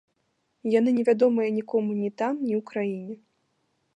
Яны не вядомыя нікому ні там, ні у краіне.